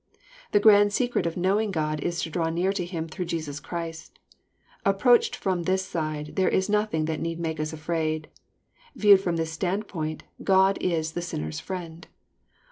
The grand secret of knowing God is to draw near to Him through Jesus Christ. Approached from this side, there is nothing that need make us afraid. Viewed from this stand X>oint, God is the sinner's friend.